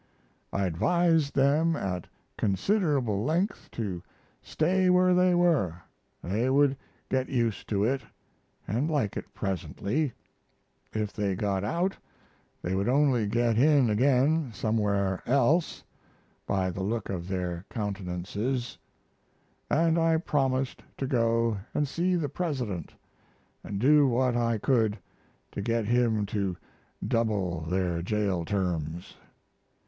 I advised them at considerable length to stay where they were they would get used to it & like it presently; if they got out they would only get in again somewhere else, by the look of their countenances; & I promised to go and see the President & do what I could to get him to double their jail terms....